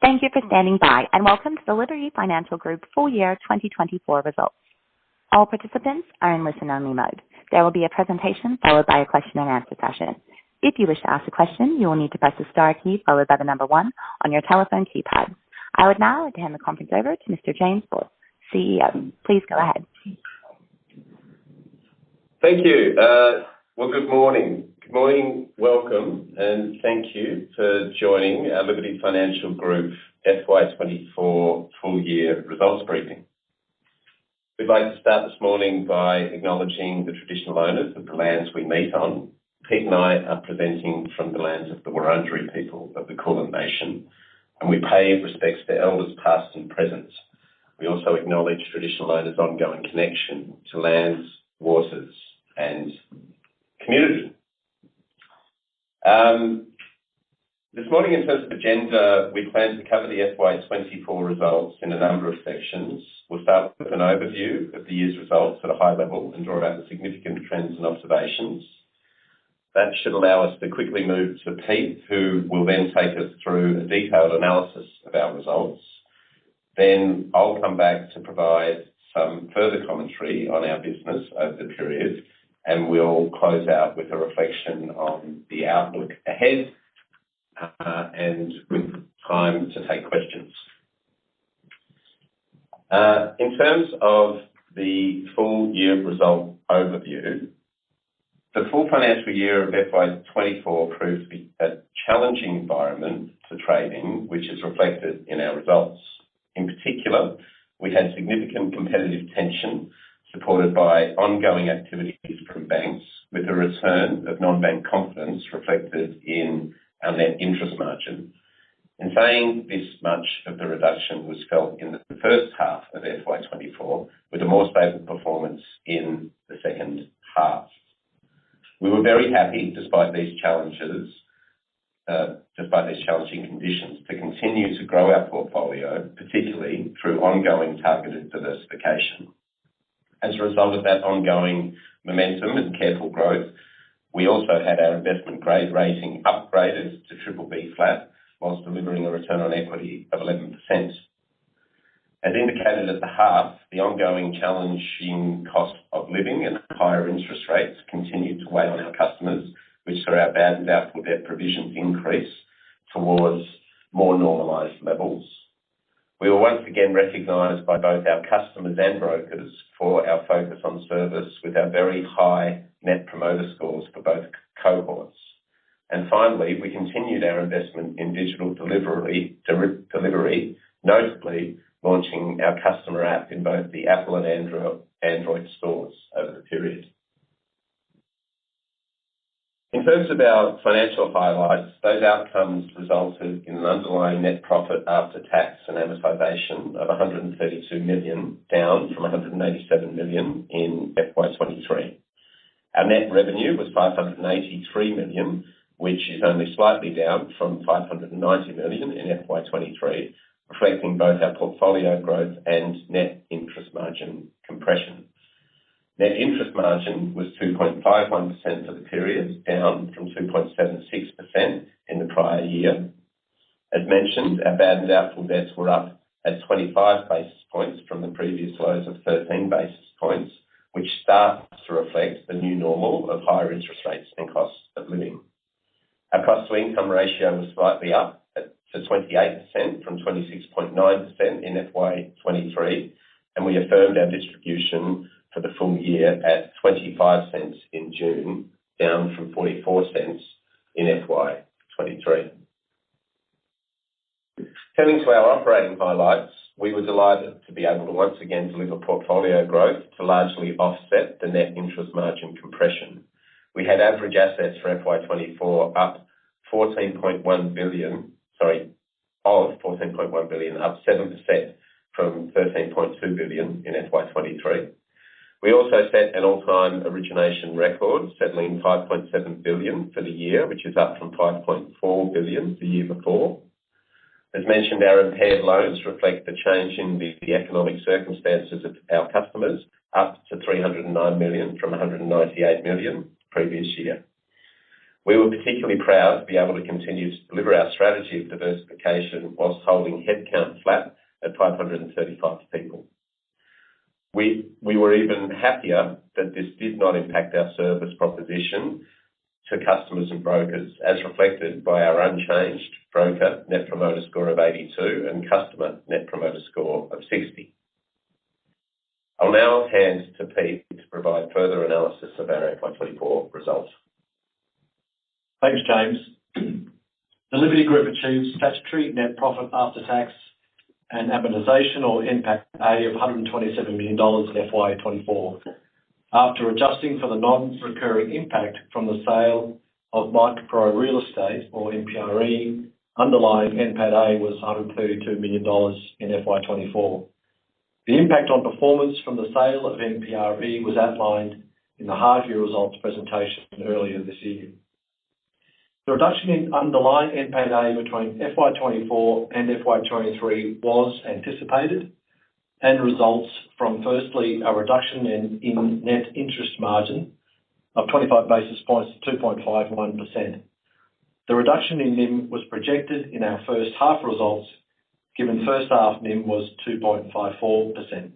Thank you for standing by, and welcome to the Liberty Financial Group full year 2024 results. All participants are in listen-only mode. There will be a presentation followed by a question and answer session. If you wish to ask a question, you will need to press the star key followed by the number one on your telephone keypad. I would now hand the conference over to Mr. James Boyle, CEO. Please go ahead. Thank you. Well, good morning. Good morning, welcome, and thank you for joining our Liberty Financial Group FY 2024 full year results briefing. We'd like to start this morning by acknowledging the traditional owners of the lands we meet on. Peter and I are presenting from the lands of the Wurundjeri people of the Kulin Nation, and we pay respects to elders, past and present. We also acknowledge traditional owners' ongoing connection to lands, waters, and community. This morning, in terms of agenda, we plan to cover the FY 2024 results in a number of sections. We'll start with an overview of the year's results at a high level and draw out the significant trends and observations. That should allow us to quickly move to Peter, who will then take us through a detailed analysis of our results. Then I'll come back to provide some further commentary on our business over the period, and we'll close out with a reflection on the outlook ahead, and with time to take questions. In terms of the full year result overview, the full financial year of FY 2024 proved to be a challenging environment for trading, which is reflected in our results. In particular, we had significant competitive tension, supported by ongoing activities from banks, with a return of non-bank confidence reflected in our net interest margin. In saying this much of the reduction was felt in the first half of FY 2024, with a more stable performance in the second half. We were very happy, despite these challenges, despite these challenging conditions, to continue to grow our portfolio, particularly through ongoing targeted diversification. As a result of that ongoing momentum and careful growth, we also had our investment grade rating upgraded to BBB while delivering a return on equity of 11%. As indicated at the half, the ongoing challenge in cost of living and higher interest rates continued to weigh on our customers, which saw our bad and doubtful debt provisions increase towards more normalized levels. We were once again recognized by both our customers and brokers for our focus on service with our Net Promoter Scores for both cohorts. Finally, we continued our investment in digital delivery, notably launching our customer app in both the Apple and Android stores over the period. In terms of our financial highlights, those outcomes resulted in an underlying net profit after tax and amortization of 132 million, down from 187 million in FY 2023. Our net revenue was 583 million, which is only slightly down from 590 million in FY 2023, reflecting both our portfolio growth and net interest margin compression. Net interest margin was 2.51% for the period, down from 2.76% in the prior year. As mentioned, our bad and doubtful debts were up at 25 basis points from the previous lows of 13 basis points, which starts to reflect the new normal of higher interest rates and costs of living. Our cost to income ratio was slightly up to 28% from 26.9% in FY 2023, and we affirmed our distribution for the full year at 0.25 in June, down from 0.44 in FY 2023. Turning to our operating highlights, we were delighted to be able to once again deliver portfolio growth to largely offset the net interest margin compression. We had average assets for FY 2024. Sorry, of 14.1 billion, up 7% from 13.2 billion in FY 2023. We also set an all-time origination record, settling 5.7 billion for the year, which is up from 5.4 billion the year before. As mentioned, our impaired loans reflect the change in the economic circumstances of our customers, up to 309 million from 198 million previous year. We were particularly proud to be able to continue to deliver our strategy of diversification while holding headcount flat at 535 people. We were even happier that this did not impact our service proposition to customers and brokers, as reflected by our unchanged broker Net Promoter Score of 82 and customer Net Promoter Score of 60. I'll now hand to Peter to provide further analysis of our FY 2024 results. Thanks, James. The Liberty Financial Group achieved statutory net profit after tax and amortization or NPATA of 127 million dollars in FY 2024. After adjusting for the non-recurring impact from the sale of Mike Pero Real Estate, or MPRE, underlying NPATA was AUD 102 million in FY 2024. The impact on performance from the sale of MPRE was outlined in the half year results presentation earlier this year. The reduction in underlying NPATA between FY 2024 and FY 2023 was anticipated and results from, firstly, a reduction in net interest margin of 25 basis points to 2.51%. The reduction in NIM was projected in our first half results, given first half NIM was 2.54%.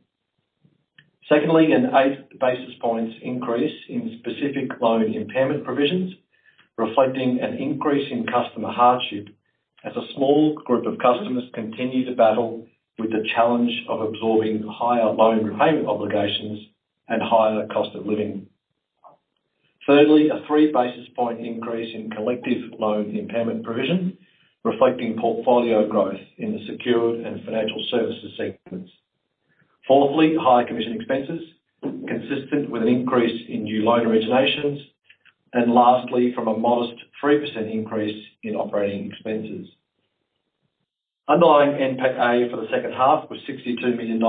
Secondly, an eight basis points increase in specific loan impairment provisions, reflecting an increase in customer hardship as a small group of customers continue to battle with the challenge of absorbing higher loan repayment obligations and higher cost of living. Thirdly, a three basis point increase in collective loan impairment provision, reflecting portfolio growth in the secured and financial services segments. Fourthly, higher commission expenses, consistent with an increase in new loan originations. And lastly, from a modest 3% increase in operating expenses. Underlying NPATA for the second half was AUD 62 million. The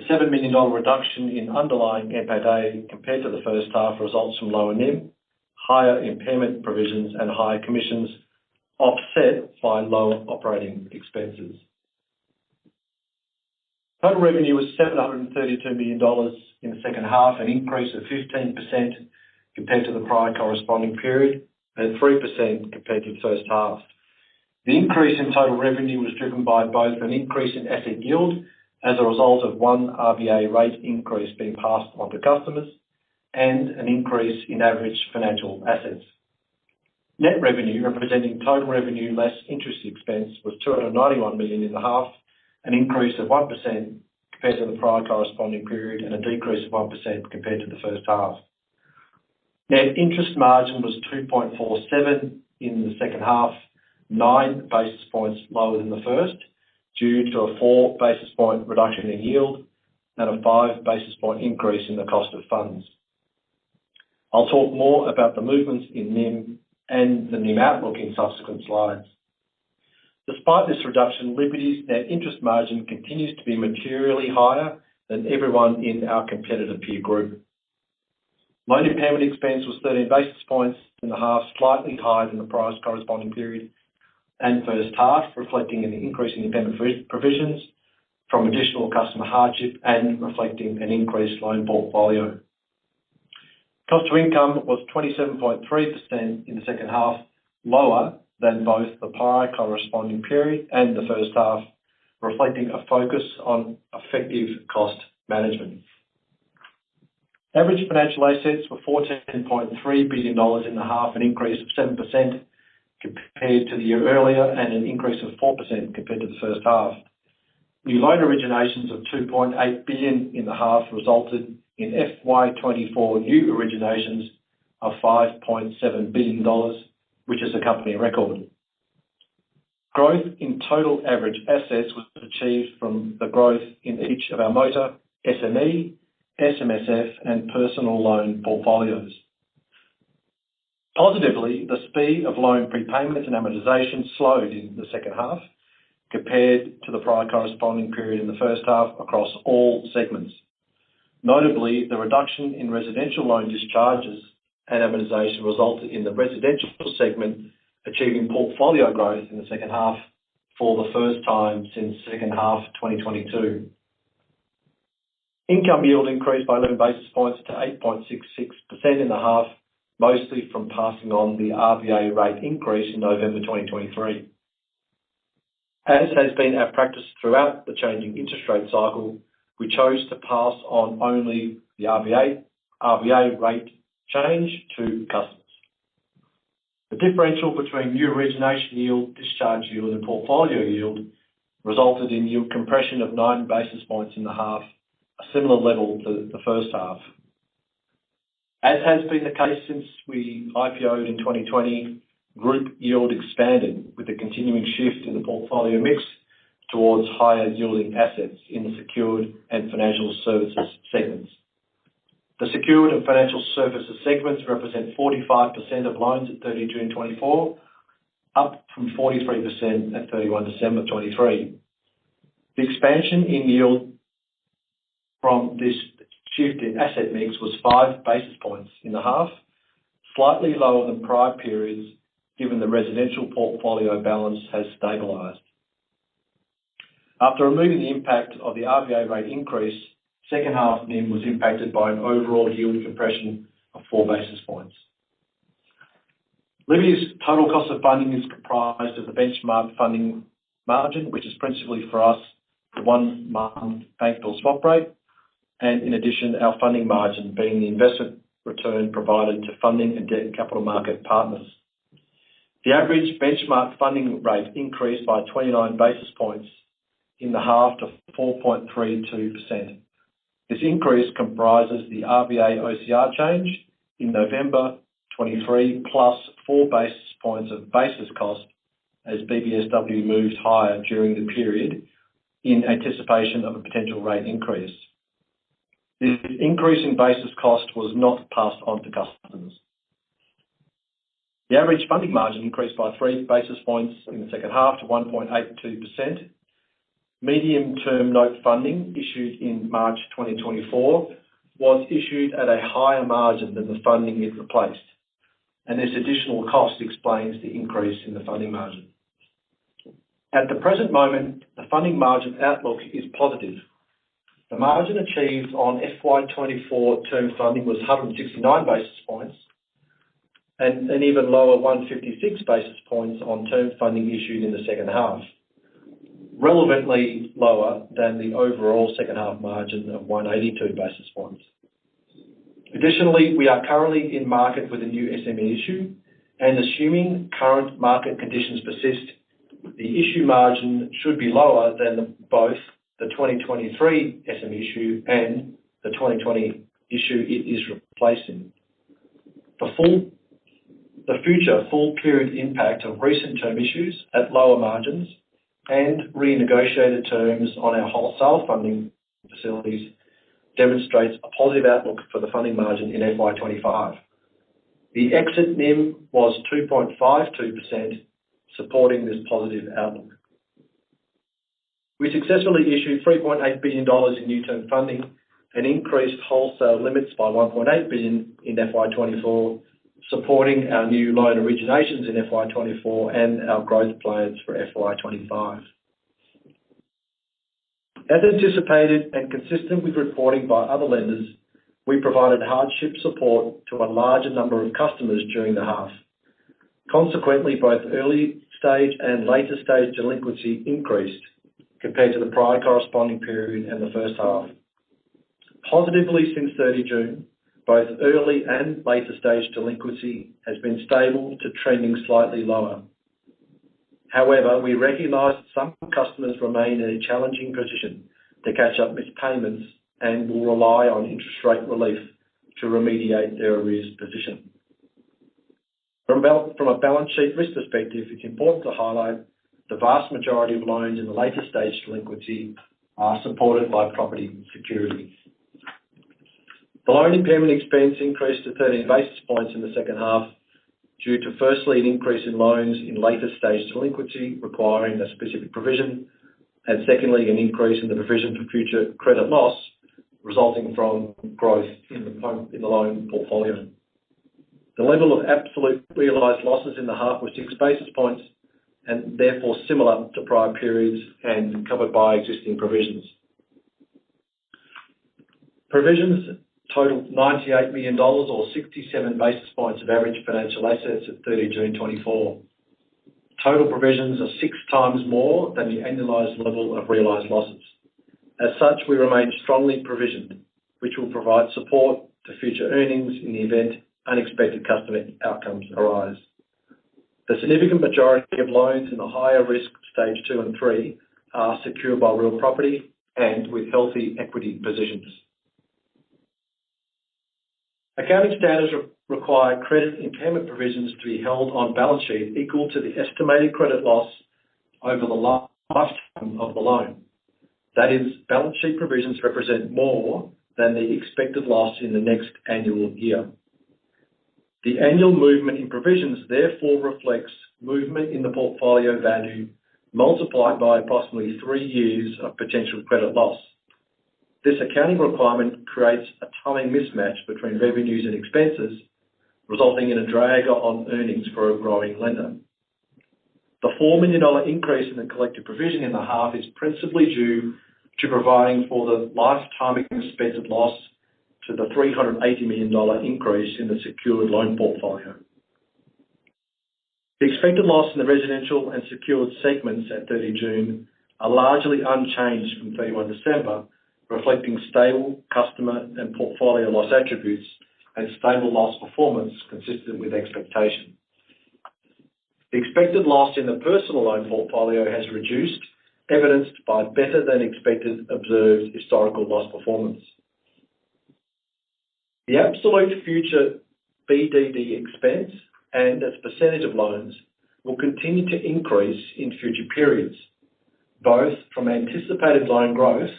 AUD 7 million reduction in underlying NPATA, compared to the first half, results from lower NIM, higher impairment provisions, and higher commissions, offset by lower operating expenses. Total revenue was 732 million dollars in the second half, an increase of 15% compared to the prior corresponding period, and 3% compared to the first half. The increase in total revenue was driven by both an increase in asset yield as a result of one RBA rate increase being passed on to customers, and an increase in average financial assets. Net revenue, representing total revenue less interest expense, was 291 million in the half, an increase of 1% compared to the prior corresponding period, and a decrease of 1% compared to the first half. Net interest margin was 2.47 in the second half, nine basis points lower than the first, due to a four basis point reduction in yield and a five basis point increase in the cost of funds. I'll talk more about the movements in NIM and the NIM outlook in subsequent slides. Despite this reduction, Liberty's net interest margin continues to be materially higher than everyone in our competitive peer group. Loan impairment expense was thirteen basis points in the half, slightly higher than the prior corresponding period and first half, reflecting an increase in individual provisions from additional customer hardship and reflecting an increased loan portfolio. Cost to income was 27.3% in the second half, lower than both the prior corresponding period and the first half, reflecting a focus on effective cost management. Average financial assets were 14.3 billion dollars in the half, an increase of 7% compared to the year earlier, and an increase of 4% compared to the first half. New loan originations of 2.8 billion in the half resulted in FY 2024 new originations of 5.7 billion dollars, which is a company record. Growth in total average assets was achieved from the growth in each of our motor, SME, SMSF, and personal loan portfolios. Positively, the speed of loan prepayment and amortization slowed in the second half compared to the prior corresponding period in the first half across all segments. Notably, the reduction in residential loan discharges and amortization resulted in the residential segment achieving portfolio growth in the second half for the first time since second half of 2022. Income yield increased by eleven basis points to 8.66% in the half, mostly from passing on the RBA rate increase in November 2023. As has been our practice throughout the changing interest rate cycle, we chose to pass on only the RBA rate change to customers. The differential between new origination yield, discharge yield, and portfolio yield resulted in yield compression of nine basis points in the half, a similar level to the first half. As has been the case since we IPO'd in 2020, group yield expanded with a continuing shift in the portfolio mix towards higher yielding assets in the secured and financial services segments. The secured and financial services segments represent 45% of loans at 30 June 2024, up from 43% at 31 December 2023. The expansion in yield from this shift in asset mix was five basis points in the half, slightly lower than prior periods, given the residential portfolio balance has stabilized. After removing the impact of the RBA rate increase, second half NIM was impacted by an overall yield compression of four basis points. Liberty's total cost of funding is comprised of a benchmark funding margin, which is principally for us, the one-month Bank Bill Swap Rate, and in addition, our funding margin, being the investment return provided to funding and debt capital market partners. The average benchmark funding rate increased by 29 basis points in the half to 4.32%. This increase comprises the RBA OCR change in November 2023, plus four basis points of basis cost as BBSW moves higher during the period in anticipation of a potential rate increase. This increase in basis cost was not passed on to customers. The average funding margin increased by three basis points in the second half to 1.82%. Medium-term note funding, issued in March 2024, was issued at a higher margin than the funding it replaced, and this additional cost explains the increase in the funding margin. At the present moment, the funding margin outlook is positive. The margin achieved on FY 2024 term funding was 169 basis points, and even lower, 156 basis points on term funding issued in the second half, relevantly lower than the overall second half margin of 182 basis points. Additionally, we are currently in market with a new SME issue, and assuming current market conditions persist, the issue margin should be lower than both the 2023 SME issue and the 2020 issue it is replacing. The future full period impact of recent term issues at lower margins and renegotiated terms on our wholesale funding facilities demonstrates a positive outlook for the funding margin in FY 2025. The exit NIM was 2.52%, supporting this positive outlook. We successfully issued AUD 3.8 billion in new term funding and increased wholesale limits by AUD 1.8 billion in FY 2024, supporting our new loan originations in FY 2024 and our growth plans for FY 2025. As anticipated and consistent with reporting by other lenders, we provided hardship support to a larger number of customers during the half. Consequently, both early stage and later stage delinquency increased compared to the prior corresponding period and the first half. Positively, since 30 June, both early and later stage delinquency has been stable to trending slightly lower. However, we recognize some customers remain in a challenging position to catch up with payments and will rely on interest rate relief to remediate their arrears position. From a balance sheet risk perspective, it's important to highlight, the vast majority of loans in the later stage delinquency are supported by property security. The loan impairment expense increased to 13 basis points in the second half, due to firstly, an increase in loans in later stage delinquency requiring a specific provision, and secondly, an increase in the provision for future credit loss resulting from growth in the loan portfolio. The level of absolute realized losses in the half was six basis points, and therefore similar to prior periods and covered by existing provisions. Provisions totaled 98 million dollars or 67 basis points of average financial assets at 30 June 2024. Total provisions are six times more than the annualized level of realized losses. As such, we remain strongly provisioned, which will provide support to future earnings in the event unexpected customer outcomes arise. The significant majority of loans in the higher risk stage two and three are secured by real property and with healthy equity positions. Accounting standards require credit impairment provisions to be held on balance sheet equal to the estimated credit loss over the lifetime of the loan. That is, balance sheet provisions represent more than the expected loss in the next annual year. The annual movement in provisions therefore reflects movement in the portfolio value, multiplied by approximately three years of potential credit loss. This accounting requirement creates a timing mismatch between revenues and expenses, resulting in a drag on earnings for a growing lender. The 4 million dollar increase in the collective provision in the half is principally due to providing for the lifetime expected loss to the 380 million dollar increase in the secured loan portfolio. The expected loss in the residential and secured segments at 30 June are largely unchanged from 31 December, reflecting stable customer and portfolio loss attributes, and stable loss performance consistent with expectation. The expected loss in the personal loan portfolio has reduced, evidenced by better than expected observed historical loss performance. The absolute future BDD expense and as a percentage of loans will continue to increase in future periods, both from anticipated loan growth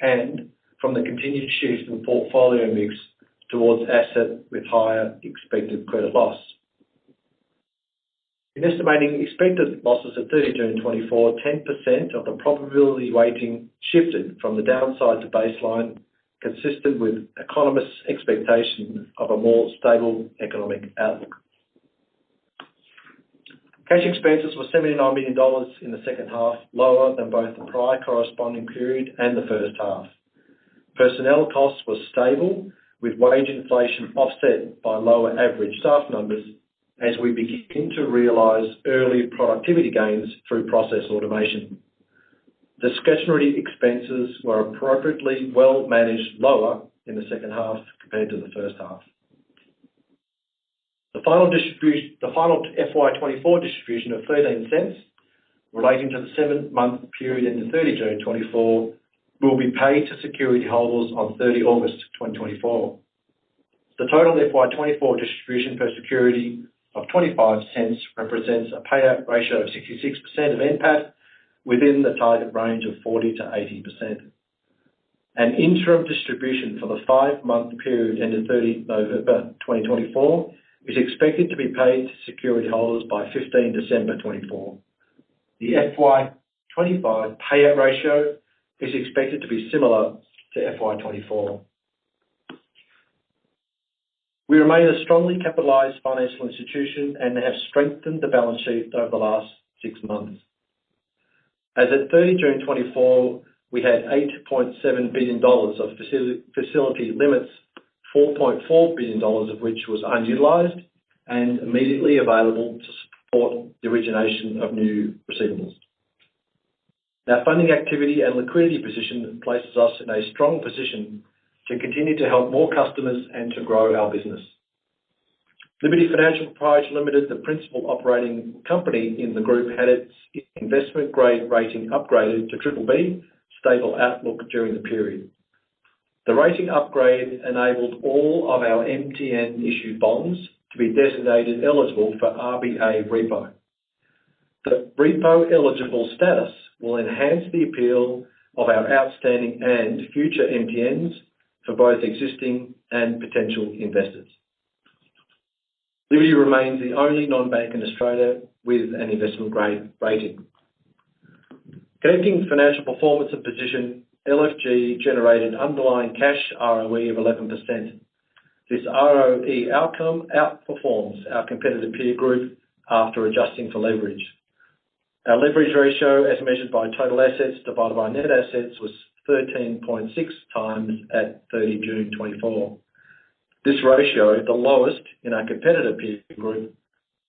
and from the continued shift in the portfolio mix towards assets with higher expected credit loss. In estimating expected losses at 30 June 2024, 10% of the probability weighting shifted from the downside to baseline, consistent with economists' expectation of a more stable economic outlook. Cash expenses were 79 million dollars in the second half, lower than both the prior corresponding period and the first half. Personnel costs were stable, with wage inflation offset by lower average staff numbers as we begin to realize early productivity gains through process automation. Discretionary expenses were appropriately well managed lower in the second half compared to the first half. The final FY 2024 distribution of 0.13, relating to the seven-month period ending 30 June 2024, will be paid to security holders on 30 August 2024. The total FY 2024 distribution per security of 0.25 represents a payout ratio of 66% of NPAT, within the target range of 40%-80%. An interim distribution for the five-month period ending 30 November 2024 is expected to be paid to security holders by 15 December 2024. The FY 2025 payout ratio is expected to be similar to FY 2024. We remain a strongly capitalized financial institution and have strengthened the balance sheet over the last six months. As at 30 June 2024, we had 8.7 billion dollars of facility limits, 4.4 billion dollars of which was unutilized and immediately available to support the origination of new receivables. Our funding activity and liquidity position places us in a strong position to continue to help more customers and to grow our business. Liberty Financial Corporation Limited, the principal operating company in the group, had its investment grade rating upgraded to BBB, stable outlook during the period. The rating upgrade enabled all of our MTN issued bonds to be designated eligible for RBA repo. The repo eligible status will enhance the appeal of our outstanding and future MTNs for both existing and potential investors. Liberty remains the only non-bank in Australia with an investment grade rating. Connecting financial performance and position, LFG generated underlying cash ROE of 11%. This ROE outcome outperforms our competitive peer group after adjusting for leverage. Our leverage ratio, as measured by total assets divided by net assets, was 13.6x at 30 June 2024. This ratio, the lowest in our competitive peer group,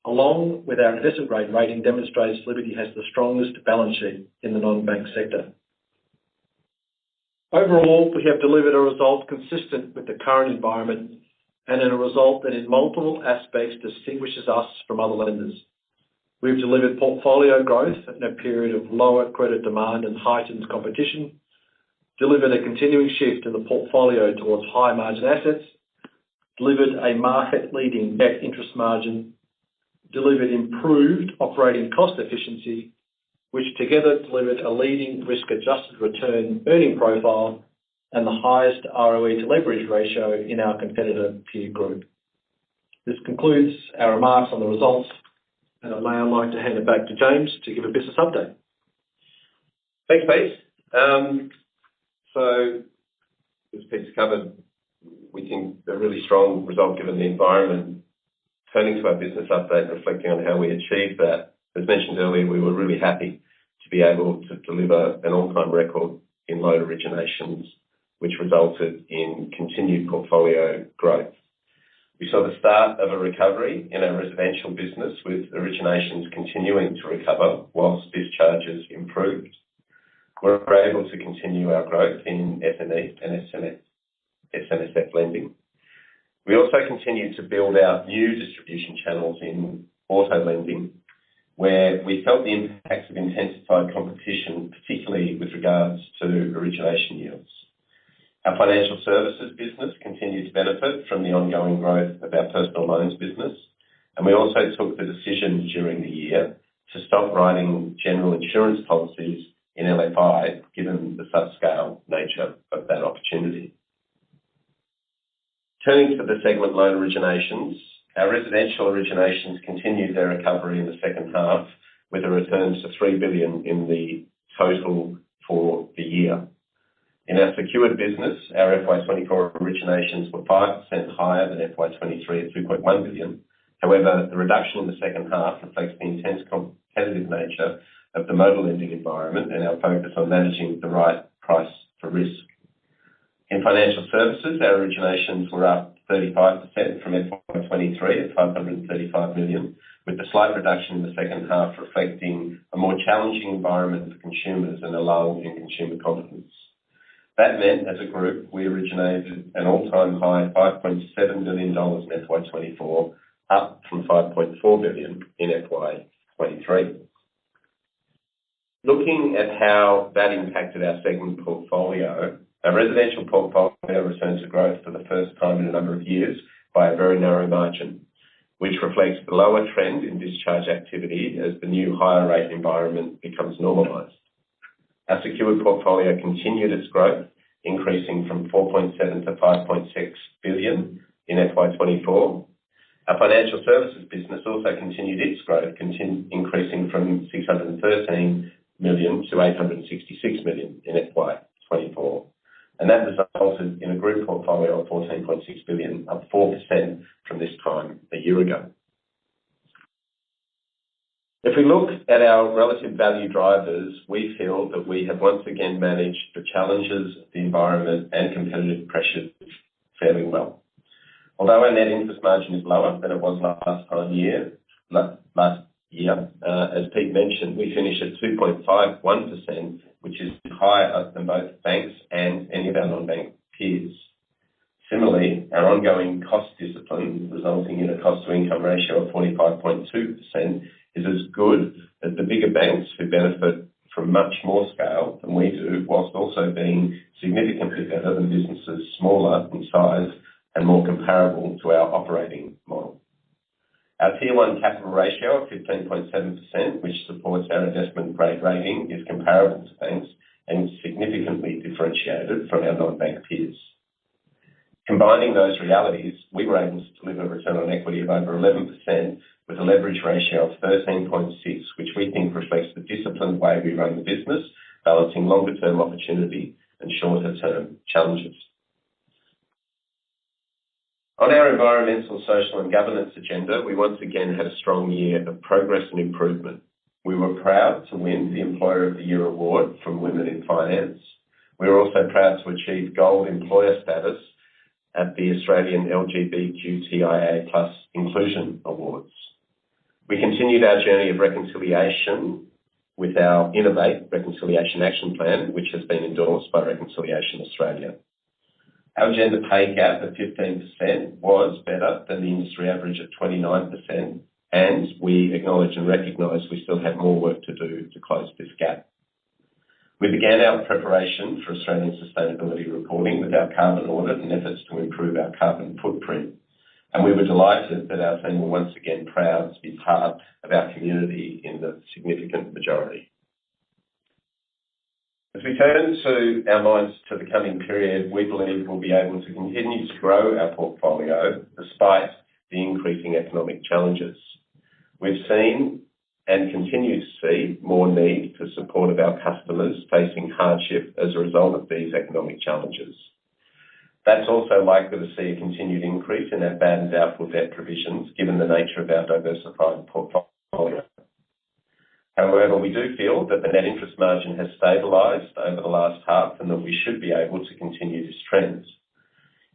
along with our investment grade rating, demonstrates Liberty has the strongest balance sheet in the non-bank sector. Overall, we have delivered a result consistent with the current environment and a result that in multiple aspects, distinguishes us from other lenders. We have delivered portfolio growth in a period of lower credit demand and heightened competition, delivered a continuing shift in the portfolio towards higher margin assets, delivered a market-leading net interest margin, delivered improved operating cost efficiency, which together delivered a leading risk-adjusted return earning profile and the highest ROE to leverage ratio in our competitive peer group. This concludes our remarks on the results, and I may now like to hand it back to James to give a business update. Thanks, Peter. So as Peter's covered, we think a really strong result given the environment. Turning to our business update, reflecting on how we achieved that, as mentioned earlier, we were really happy to be able to deliver an all-time record in loan originations, which resulted in continued portfolio growth. We saw the start of a recovery in our residential business, with originations continuing to recover whilst discharges improved. We're able to continue our growth in SME and SMSF lending. We also continued to build our new distribution channels in auto lending, where we felt the impacts of intensified competition, particularly with regards to origination yields. Our financial services business continued to benefit from the ongoing growth of our personal loans business, and we also took the decision during the year to stop writing general insurance policies in LFI, given the small scale nature of that opportunity. Turning to the segment loan originations, our residential originations continued their recovery in the second half, with a return to 3 billion in the total for the year. In our secured business, our FY 2024 originations were 5% higher than FY 2023 at 2.1 billion. However, the reduction in the second half reflects the intense competitive nature of the mobile lending environment and our focus on managing the right price for risk. In financial services, our originations were up 35% from FY 2023 at 535 million, with a slight reduction in the second half, reflecting a more challenging environment for consumers and a lull in consumer confidence. That meant, as a group, we originated an all-time high, AUD 5.7 billion in FY 2024, up from AUD 5.4 billion in FY 2023. Looking at how that impacted our segment portfolio, our residential portfolio returns to growth for the first time in a number of years by a very narrow margin, which reflects the lower trend in discharge activity as the new higher rate environment becomes normalized. Our secured portfolio continued its growth, increasing from 4.7 billion- 5.6 billion in FY 2024. Our financial services business also continued its growth, increasing from 613 million-866 million in FY 2024, and that resulted in a group portfolio of 14.6 billion, up 4% from this time a year ago. If we look at our relative value drivers, we feel that we have once again managed the challenges of the environment and competitive pressures fairly well. Although our net interest margin is lower than it was last year, as Peter mentioned, we finished at 2.51%, which is higher than both banks and any of our non-bank peers. Similarly, our ongoing cost discipline, resulting in a cost to income ratio of 25.2%, is as good as the bigger banks, who benefit from much more scale than we do, while also being significantly better than businesses smaller in size and more comparable to our operating model. Our Tier 1 capital ratio of 15.7%, which supports our investment grade rating, is comparable to banks and significantly differentiated from our non-bank peers. Combining those realities, we were able to deliver a return on equity of over 11% with a leverage ratio of 13.6, which we think reflects the disciplined way we run the business, balancing longer term opportunity and shorter term challenges. On our environmental, social, and governance agenda, we once again had a strong year of progress and improvement. We were proud to win the Employer of the Year award from Women in Finance. We were also proud to achieve Gold Employer status at the Australian LGBTQIA+ Inclusion Awards. We continued our journey of reconciliation with our Innovate Reconciliation Action Plan, which has been endorsed by Reconciliation Australia. Our gender pay gap of 15% was better than the industry average of 29%, and we acknowledge and recognize we still have more work to do to close this gap. We began our preparation for Australian sustainability reporting with our carbon audit and efforts to improve our carbon footprint, and we were delighted that our team were once again proud to be part of our community in the significant majority. As we turn to our minds to the coming period, we believe we'll be able to continue to grow our portfolio despite the increasing economic challenges. We've seen, and continue to see, more need for support of our customers facing hardship as a result of these economic challenges. That's also likely to see a continued increase in our bad and doubtful debt provisions, given the nature of our diversified portfolio. However, we do feel that the net interest margin has stabilized over the last half, and that we should be able to continue this trend.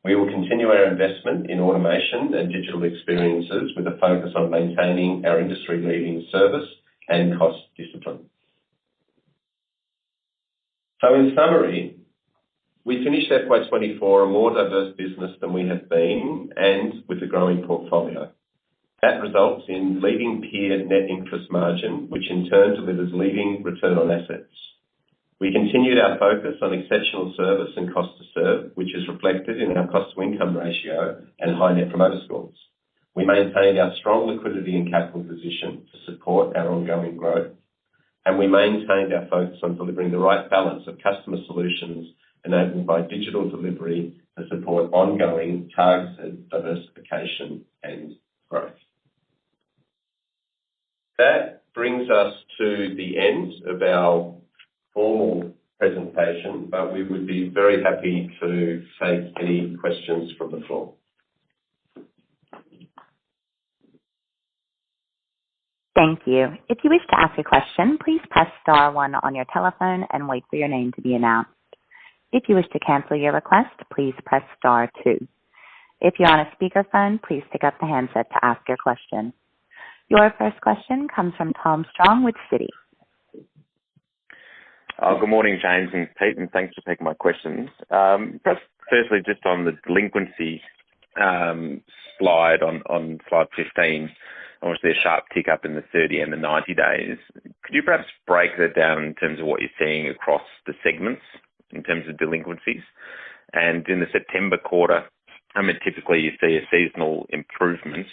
We will continue our investment in automation and digital experiences with a focus on maintaining our industry-leading service and cost discipline. So in summary, we finished FY 2024 a more diverse business than we have been, and with a growing portfolio. That results in leading peer net interest margin, which in turn delivers leading return on assets. We continued our focus on exceptional service and cost to serve, which is reflected in our cost to income ratio and Net Promoter Scores. we maintained our strong liquidity and capital position to support our ongoing growth, and we maintained our focus on delivering the right balance of customer solutions enabled by digital delivery to support ongoing targeted diversification and growth. That brings us to the end of our formal presentation, but we would be very happy to take any questions from the floor. Thank you. If you wish to ask a question, please press star one on your telephone and wait for your name to be announced. If you wish to cancel your request, please press star two. If you're on a speakerphone, please pick up the handset to ask your question. Your first question comes from Tom Strong with Citi. Good morning, James and Peter, and thanks for taking my questions. First, firstly, just on the delinquency, slide on slide 15, I watched a sharp tick up in the 30 and the 90 days. Could you perhaps break that down in terms of what you're seeing across the segments, in terms of delinquencies? And in the September quarter, I mean, typically you see a seasonal improvement.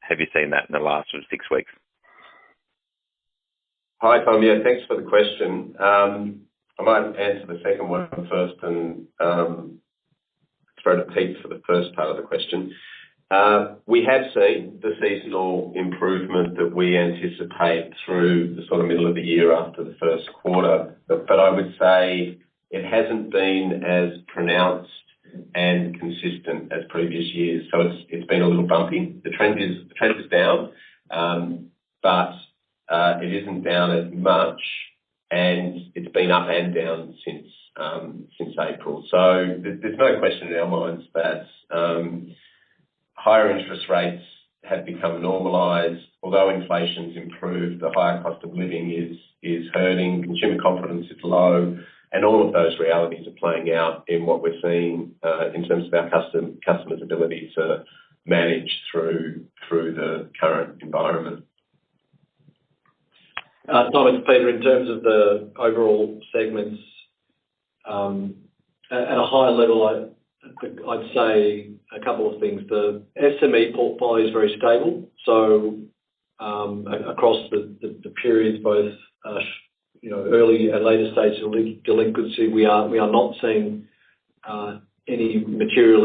Have you seen that in the last sort of 6 weeks? Hi, Tom. Yeah, thanks for the question. I might answer the second one first and throw to Peter for the first part of the question. We have seen the seasonal improvement that we anticipate through the sort of middle of the year after the first quarter, but I would say it hasn't been as pronounced and consistent as previous years, so it's been a little bumpy. The trend is down, but it isn't down as much, and it's been up and down since April. So there's no question in our minds that higher interest rates have become normalized. Although inflation's improved, the higher cost of living is hurting, consumer confidence is low, and all of those realities are playing out in what we're seeing in terms of our customer's ability to manage through the current environment. Tom, it's Peter. In terms of the overall segments, at a high level, I'd say a couple of things. The SME portfolio is very stable, so across the periods, both you know early and later stage delinquency, we are not seeing any material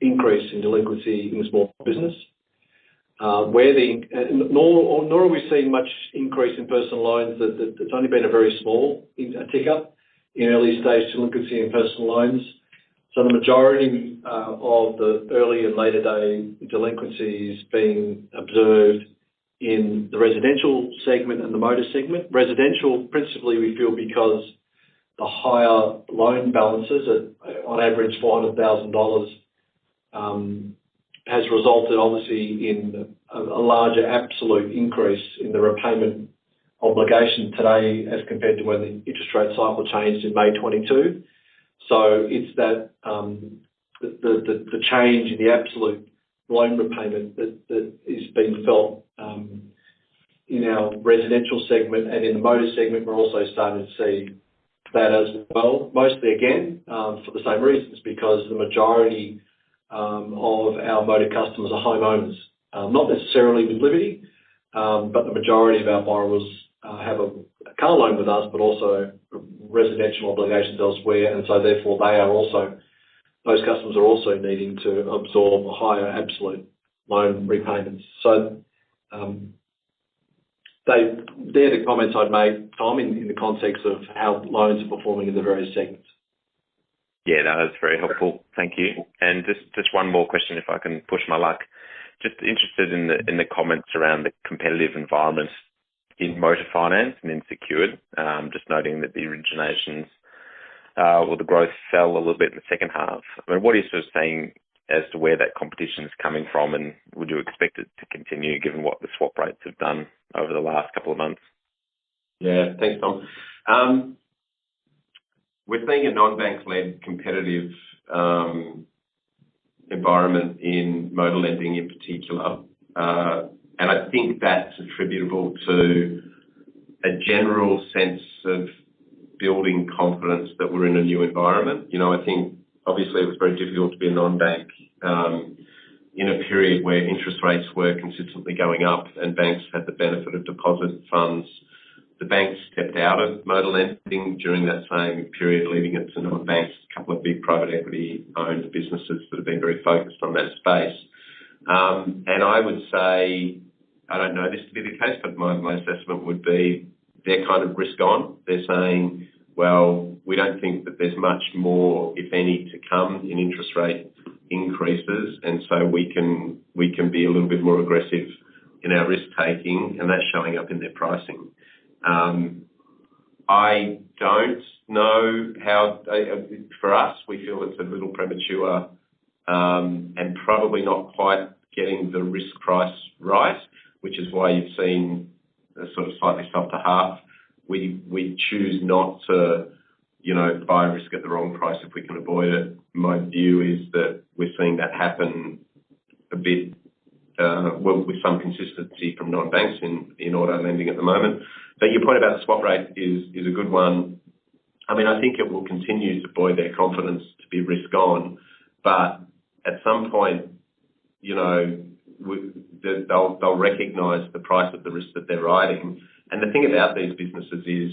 increase in delinquency in small business. Nor are we seeing much increase in personal loans. There's only been a very small tick up in early stage delinquency in personal loans. So the majority of the early and later stage delinquency is being observed in the residential segment and the motor segment. Residential, principally, we feel because the higher loan balances at, on average, 500,000 dollars, has resulted, obviously, in a larger absolute increase in the repayment obligation today as compared to when the interest rate cycle changed in May 2022. So it's that, the change in the absolute loan repayment that is being felt, in our residential segment and in the motor segment, we're also starting to see that as well. Mostly, again, for the same reasons, because the majority, of our motor customers are homeowners. Not necessarily with Liberty, but the majority of our borrowers have a car loan with us, but also residential obligations elsewhere, and so therefore, they are also, those customers are also needing to absorb higher absolute loan repayments. So, they, they're the comments I'd make, Tom, in the context of how loans are performing in the various segments. Yeah, that is very helpful. Thank you. And just one more question, if I can push my luck. Just interested in the comments around the competitive environment in motor finance and in secured. Just noting that the originations or the growth fell a little bit in the second half. I mean, what are you sort of seeing as to where that competition is coming from, and would you expect it to continue given what the swap rates have done over the last couple of months? Yeah. Thanks, Tom. We're seeing a non-bank-led competitive environment in motor lending in particular, and I think that's attributable to a general sense of building confidence that we're in a new environment. You know, I think obviously it was very difficult to be a non-bank in a period where interest rates were consistently going up and banks had the benefit of deposit funds. The banks stepped out of motor lending during that same period, leaving it to non-banks, a couple of big private equity-owned businesses that have been very focused on that space, and I would say, I don't know this to be the case, but my assessment would be they're kind of risk on. They're saying, "Well, we don't think that there's much more, if any, to come in interest rate increases, and so we can, we can be a little bit more aggressive in our risk taking," and that's showing up in their pricing. For us, we feel it's a little premature, and probably not quite getting the risk price right, which is why you've seen a sort of slightly softer half. We choose not to, you know, buy risk at the wrong price if we can avoid it. My view is that we've seen that happen a bit, well, with some consistency from non-banks in auto lending at the moment. But your point about swap rate is a good one. I mean, I think it will continue to buoy their confidence to be risk on, but at some point, you know, they'll recognize the price of the risk that they're riding, and the thing about these businesses is,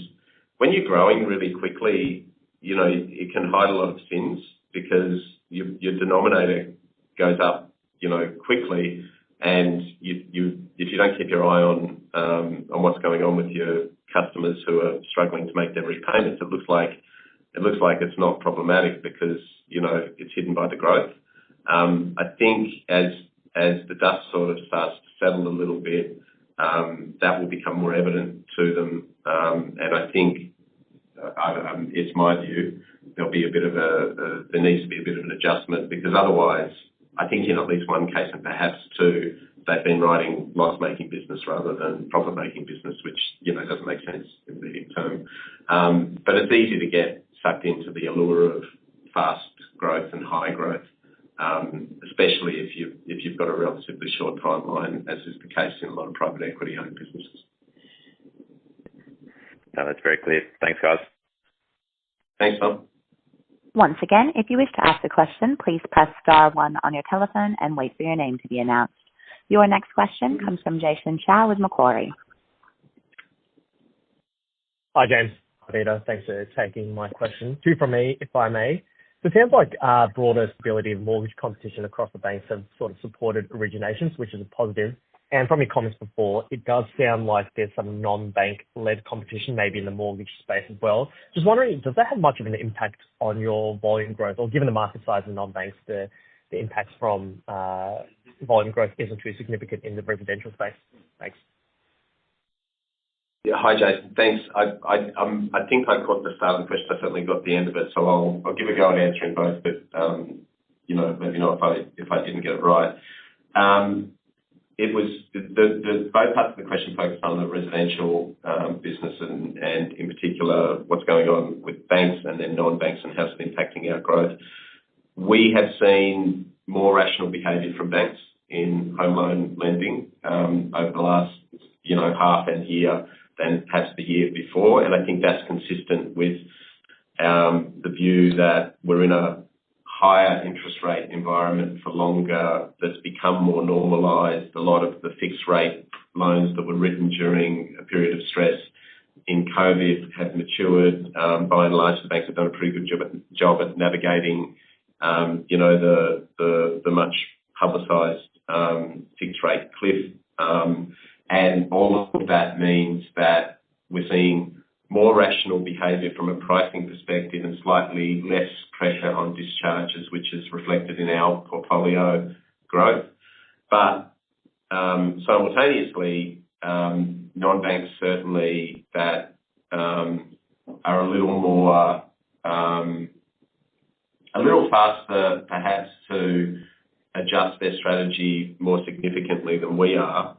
when you're growing really quickly, you know, it can hide a lot of sins because your denominator goes up, you know, quickly, and if you don't keep your eye on what's going on with your customers who are struggling to make their repayments, it looks like it's not problematic because, you know, it's hidden by the growth. I think as the dust sort of starts to settle a little bit, that will become more evident to them, and I think, I don't know, it's my view, there'll be a bit of a... There needs to be a bit of an adjustment, because otherwise, I think in at least one case and perhaps two, they've been riding loss-making business rather than profit-making business, which, you know, doesn't make sense in the long term, but it's easy to get sucked into the allure of fast growth and high growth, especially if you've got a relatively short timeline, as is the case in a lot of private equity-owned businesses. No, that's very clear. Thanks, guys. Thanks, Tom. Once again, if you wish to ask a question, please press star one on your telephone and wait for your name to be announced. Your next question comes from Jason Shao with Macquarie. Hi, James. Hi, Peter. Thanks for taking my question. Two from me, if I may. So it sounds like, broader stability of mortgage competition across the banks have sort of supported originations, which is a positive. And from your comments before, it does sound like there's some non-bank-led competition maybe in the mortgage space as well. Just wondering, does that have much of an impact on your volume growth? Or given the market size of non-banks, the impacts from volume growth isn't too significant in the residential space. Thanks. Yeah. Hi, Jason. Thanks. I think I caught the start of the question. I certainly got the end of it, so I'll give a go at answering both, but you know, let me know if I didn't get it right. The both parts of the question focused on the residential business and in particular, what's going on with banks and then non-banks and how it's been impacting our growth. We have seen more rational behavior from banks in home loan lending over the last half a year than perhaps the year before, and I think that's consistent with the view that we're in a higher interest rate environment for longer. That's become more normalized. A lot of the fixed rate loans that were written during a period of stress in COVID have matured. By and large, the banks have done a pretty good job at navigating, you know, the much-publicized fixed rate cliff, and all of that means that we're seeing more rational behavior from a pricing perspective, and slightly less pressure on discharges, which is reflected in our portfolio growth, but simultaneously, non-banks certainly that are a little more, a little faster, perhaps, to adjust their strategy more significantly than we are,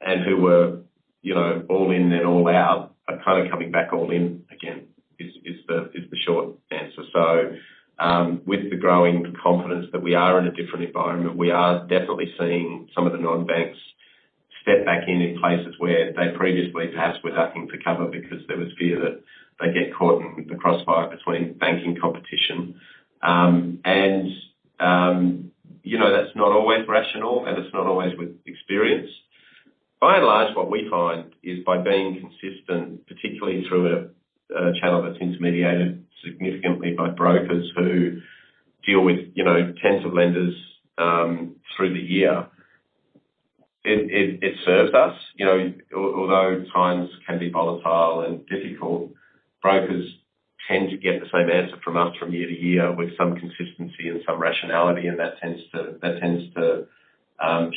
and who were, you know, all in and all out, are kind of coming back all in again, is the short answer. With the growing confidence that we are in a different environment, we are definitely seeing some of the non-banks step back in places where they previously perhaps were ducking to cover because there was fear that they'd get caught in the crossfire between banking competition. You know, that's not always rational, and it's not always with experience. By and large, what we find is by being consistent, particularly through a channel that's intermediated significantly by brokers who deal with, you know, tens of lenders through the year, it serves us. You know, although times can be volatile and difficult, brokers tend to get the same answer from us from year to year with some consistency and some rationality, and that tends to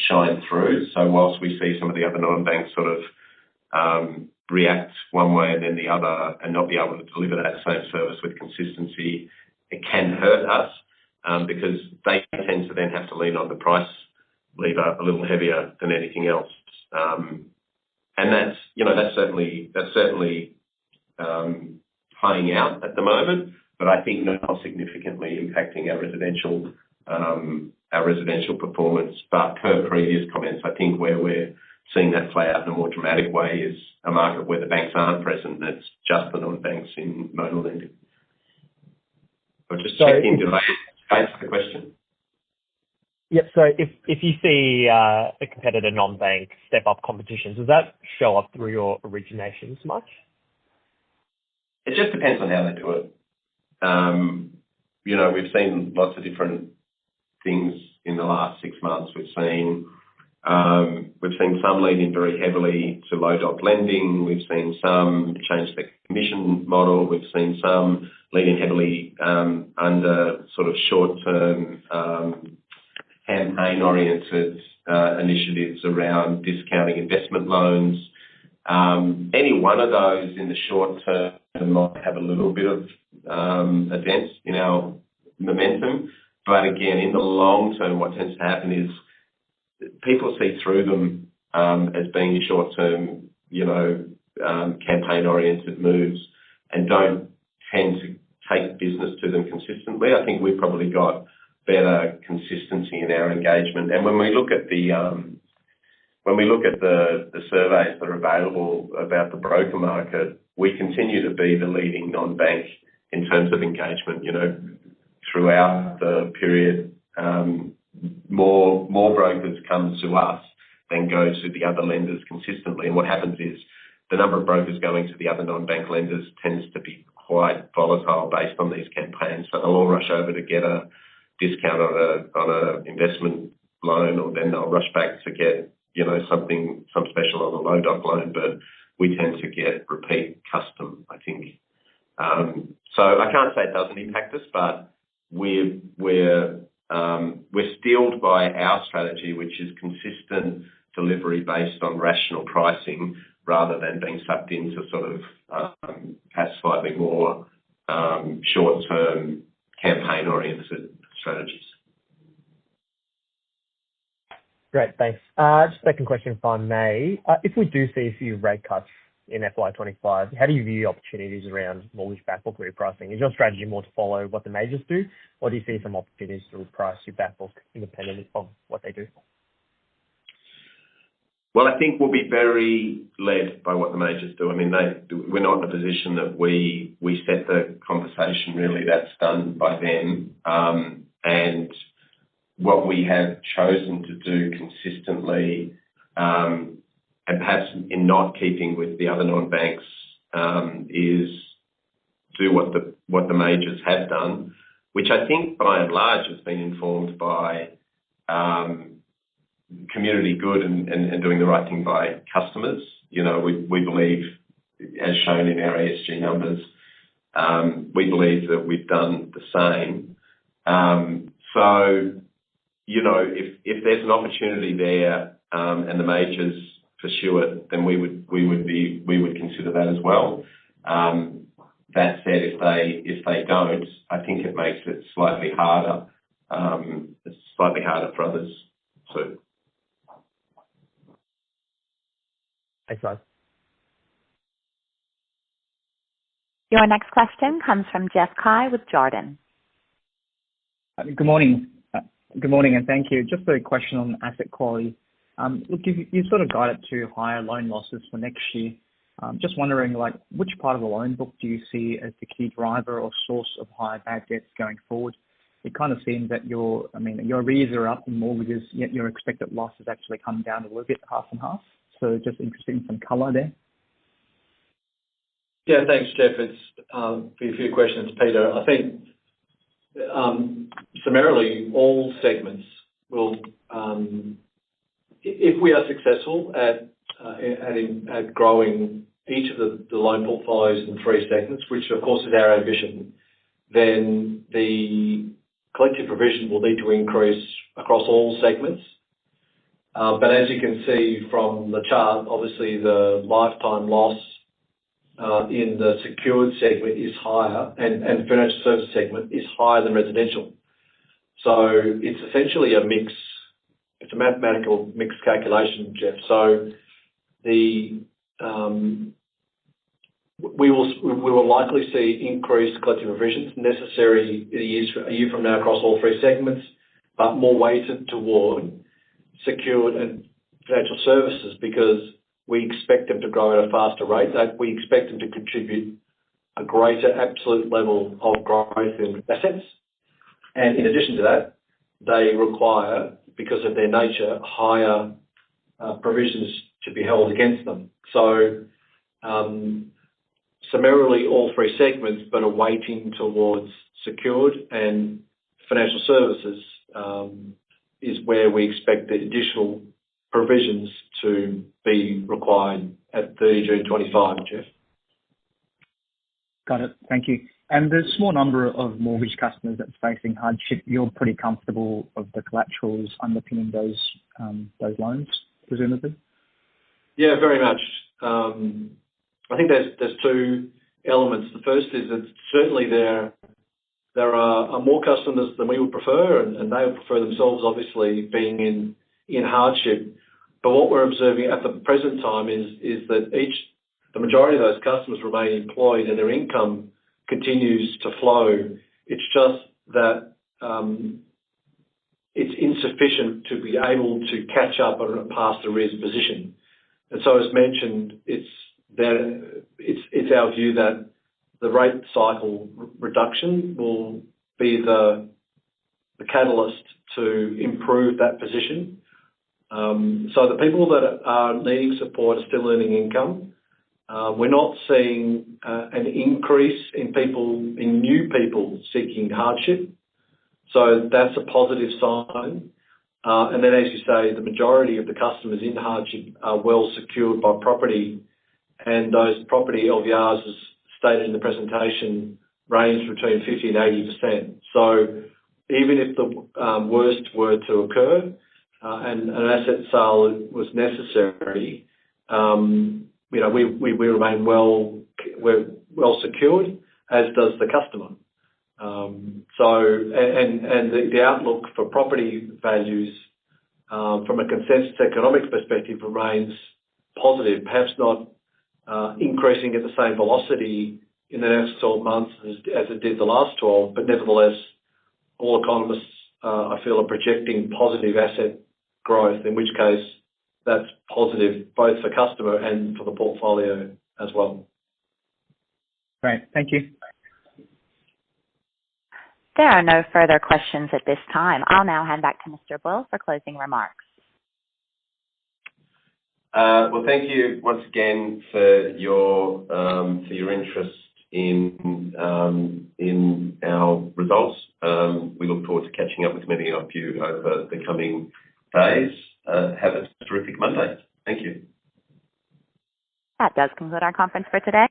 shine through. So while we see some of the other non-banks sort of react one way and then the other and not be able to deliver that same service with consistency, it can hurt us because they tend to then have to lean on the price lever a little heavier than anything else, and that's, you know, that's certainly playing out at the moment, but I think not significantly impacting our residential performance. But per previous comments, I think where we're seeing that play out in a more dramatic way is a market where the banks aren't present, and that's just the non-banks in home lending, but just check in, did I answer the question? Yep. So if you see a competitor non-bank step up competition, does that show up through your originations much? It just depends on how they do it. You know, we've seen lots of different things in the last six months. We've seen some lean in very heavily to low doc lending. We've seen some change the commission model. We've seen some leaning heavily under sort of short-term campaign-oriented initiatives around discounting investment loans. Any one of those in the short term might have a little bit of a dent in our momentum. But again, in the long term, what tends to happen is people see through them as being short-term, you know, campaign-oriented moves, and don't tend to take business to them consistently. I think we've probably got better consistency in our engagement. And when we look at the surveys that are available about the broker market, we continue to be the leading non-bank in terms of engagement. You know, throughout the period, more brokers come to us than go to the other lenders consistently. And what happens is, the number of brokers going to the other non-bank lenders tends to be quite volatile based on these campaigns. So they'll all rush over to get a discount on a investment loan, or then they'll rush back to get, you know, something, some special on a low doc loan. But we tend to get repeat custom, I think. So I can't say it doesn't impact us, but we're steeled by our strategy, which is consistent delivery based on rational pricing, rather than being sucked into sort of, perhaps slightly more, short-term campaign-oriented strategies. Great, thanks. Just second question, if I may. If we do see a few rate cuts in FY 2025, how do you view opportunities around mortgage backbook repricing? Is your strategy more to follow what the majors do, or do you see some opportunities to reprice your backbook independently from what they do? I think we'll be very led by what the majors do. I mean, they, we're not in a position that we set the conversation really, that's done by them. And what we have chosen to do consistently, and perhaps in not keeping with the other non-banks, is do what the majors have done. Which I think by and large has been informed by community good and doing the right thing by customers. You know, we believe, as shown in our ESG numbers, we believe that we've done the same. So, you know, if there's an opportunity there, and the majors pursue it, then we would consider that as well. That said, if they don't, I think it makes it slightly harder for others, so. Thanks, guys. Your next question comes from Jeff Cai with Jarden. Good morning. Good morning, and thank you. Just a question on asset quality. Look, you, you sort of guided to higher loan losses for next year. Just wondering, like, which part of the loan book do you see as the key driver or source of higher bad debts going forward? It kind of seems that your... I mean, your rates are up in mortgages, yet your expected loss has actually come down a little bit, half and half. So just interested in some color there. Yeah, thanks, Jeff. It'll be a few questions, Peter. I think summarily, all segments will if we are successful at growing each of the loan portfolios in three segments, which of course is our ambition, then the collective provision will need to increase across all segments. But as you can see from the chart, obviously, the lifetime loss in the secured segment is higher, and financial service segment is higher than residential. So it's essentially a mix. It's a mathematical mixed calculation, Jeff. So we will likely see increased collective provisions necessary a year from now across all three segments, but more weighted toward secured and financial services, because we expect them to grow at a faster rate. That we expect them to contribute a greater absolute level of growth in assets, and in addition to that, they require, because of their nature, higher provisions to be held against them. So, summarily, all three segments, but are weighting towards secured and financial services, is where we expect the additional provisions to be required at the June 2025. Jeff? Got it. Thank you. And the small number of mortgage customers that's facing hardship, you're pretty comfortable of the collaterals underpinning those loans, presumably? Yeah, very much. I think there's two elements. The first is that certainly there are more customers than we would prefer, and they would prefer themselves, obviously, being in hardship. But what we're observing at the present time is that the majority of those customers remain employed, and their income continues to flow. It's just that it's insufficient to be able to catch up or pass the risk position. And so as mentioned, it's our view that the rate cycle reduction will be the catalyst to improve that position. So the people that are needing support are still earning income. We're not seeing an increase in people, new people seeking hardship, so that's a positive sign. And then, as you say, the majority of the customers in hardship are well secured by property, and those property LVRs, as stated in the presentation, range between 50%-80%. So even if the worst were to occur, and an asset sale was necessary, you know, we're well secured, as does the customer. So the outlook for property values, from a consensus economics perspective, remains positive, perhaps not increasing at the same velocity in the next 12 months as it did the last 12, but nevertheless, all economists I feel are projecting positive asset growth, in which case, that's positive both for customer and for the portfolio as well. Great. Thank you. There are no further questions at this time. I'll now hand back to Mr. Boyle for closing remarks. Well, thank you once again for your interest in our results. We look forward to catching up with many of you over the coming days. Have a terrific Monday. Thank you. That does conclude our conference for today.